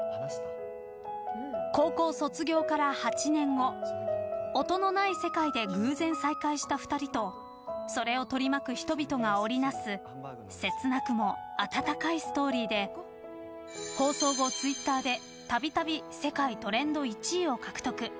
高校卒業から８年後音のない世界で偶然再会した２人とそれを取り巻く人々が織りなす切なくも温かいストーリーで放送後、Ｔｗｉｔｔｅｒでたびたび世界トレンド１位を獲得。